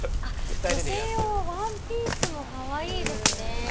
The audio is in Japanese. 女性用のワンピースもかわいいですね。